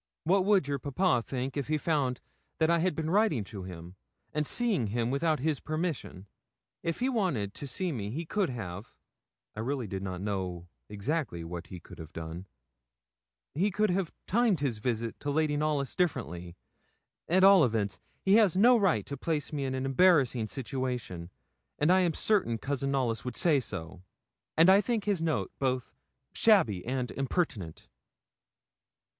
What would your papa think of it if he found that I had been writing to him, and seeing him without his permission? If he wanted to see me he could have' (I really did not know exactly what he could have done) 'he could have timed his visit to Lady Knollys differently; at all events, he has no right to place me in an embarrassing situation, and I am certain Cousin Knollys would say so; and I think his note both shabby and impertinent.'